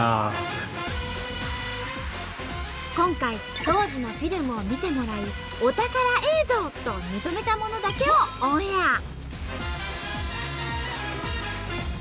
今回当時のフィルムを見てもらいお宝映像と認めたものだけをオンエア！